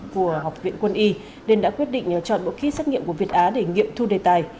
của học viện quân y nên đã quyết định chọn bộ kit xét nghiệm của việt á để nghiệm thu đề tài